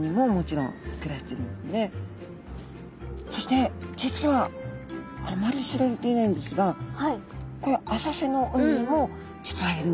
そして実はあまり知られていないんですがこういう浅瀬の海にも実はいるんです。